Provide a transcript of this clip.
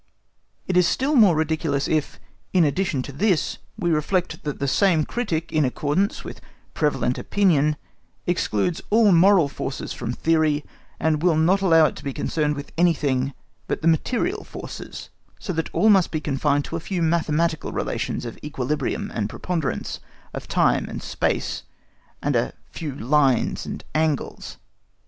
It is still more ridiculous if, in addition to this, we reflect that the same critic, in accordance with prevalent opinion, excludes all moral forces from theory, and will not allow it to be concerned with anything but the material forces, so that all must be confined to a few mathematical relations of equilibrium and preponderance, of time and space, and a few lines and angles.